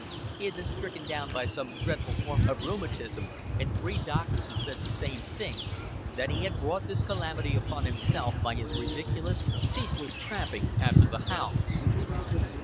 He had been stricken down by some dreadful form of rheumatism, and three doctors had said the same thing that he had brought this calamity upon himself by his ridiculous, ceaseless tramping after the hounds.